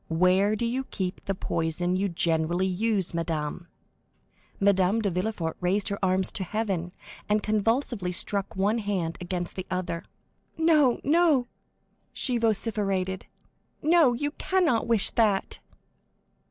—where do you keep the poison you generally use, madame?" Madame de Villefort raised her arms to heaven, and convulsively struck one hand against the other. "No, no," she vociferated, "no, you cannot wish that!"